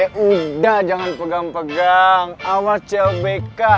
eh udah jangan pegang pegang awas clbk